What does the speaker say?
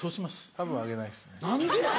たぶんあげないですね。